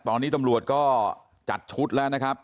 ตอนนี้ตำรวจก็จัดชุดแล้วนะครับ